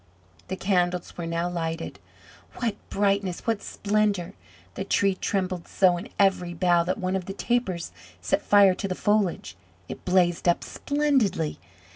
The candles were now lighted. What brightness! What splendour! The Tree trembled so in every bough that one of the tapers set fire to the foliage. It blazed up splendidly.